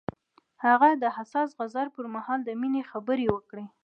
هغه د حساس غزل پر مهال د مینې خبرې وکړې.